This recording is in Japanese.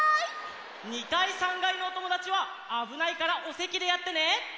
２かい３がいのおともだちはあぶないからおせきでやってね。